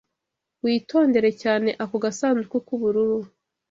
Witondere cyane ako gasanduku k'ubururu.